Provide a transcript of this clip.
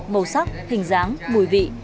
màu sắc hình dáng mùi vị